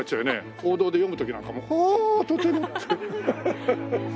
報道で読む時なんかも「はあとても」って。